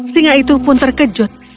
singa itu pun terkejut